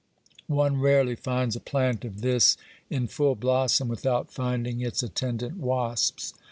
One rarely finds a plant of this in full blossom without finding its attendant wasps.